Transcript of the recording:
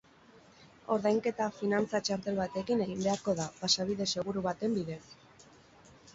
Ordainketa finantza-txartel batekin egin beharko da, pasabide seguru baten bidez.